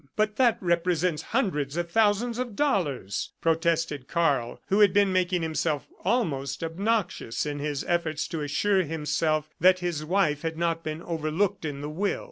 "But that represents hundreds of thousands of dollars!" protested Karl, who had been making himself almost obnoxious in his efforts to assure himself that his wife had not been overlooked in the will.